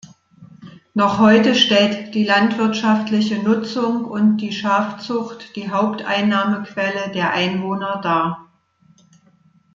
Noch heute stellt die landwirtschaftliche Nutzung und die Schafzucht die Haupteinnahmequelle der Einwohner dar.